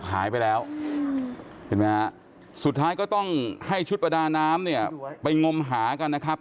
หายไปแล้วสุดท้ายก็ต้องให้ชุดประดาน้ำไปงมหากันนะครับ